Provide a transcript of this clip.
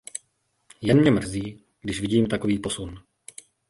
Jen mě mrzí, když vidím takový posun.